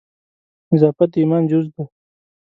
نظافت د ایمان جزء دی.